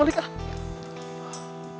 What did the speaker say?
aduh belum lupa ya